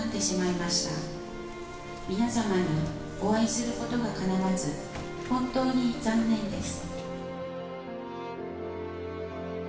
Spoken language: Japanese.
「皆様にお会いすることが叶わず本当に残念です」